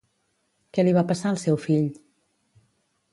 Què li va passar al seu fill?